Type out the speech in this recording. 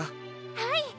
はい！